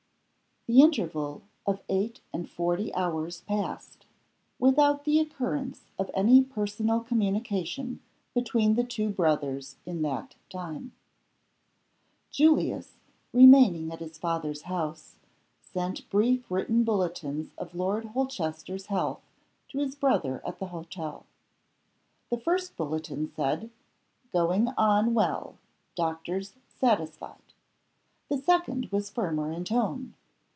THE interval of eight and forty hours passed without the occurrence of any personal communication between the two brothers in that time. Julius, remaining at his father's house, sent brief written bulletins of Lord Holchester's health to his brother at the hotel. The first bulletin said, "Going on well. Doctors satisfied." The second was firmer in tone.